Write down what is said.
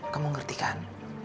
kamu mengerti kan